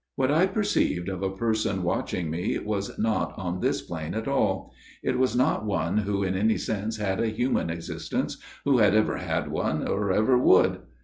What I perceived of a person watching me was not on this plane at all. It was not one who in any sense had a human existence, who had ever had one, or ever would.